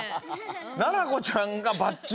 ななこちゃんがばっちり！